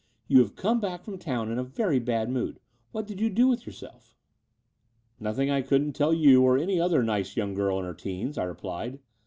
You have come back from town in a very bad mood. What did you do with yourself ?'' "Nothing I couldn't tell you or any other nice young girl in her teens, '' I replied.